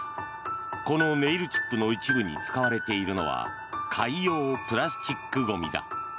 このネイルチップの一部に使われているのは海洋プラスチックゴミだ。